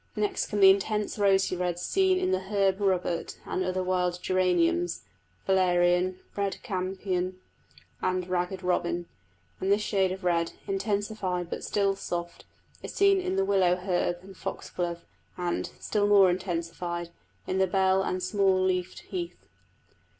Next come the intense rosy reds seen in the herb robert and other wild geraniums, valerian, red campion and ragged robin; and this shade of red, intensified but still soft, is seen in the willow herb and foxglove, and, still more intensified, in the bell and small leafed heath.